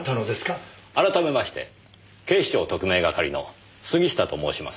改めまして警視庁特命係の杉下と申します。